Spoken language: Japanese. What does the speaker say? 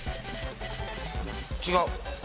違う。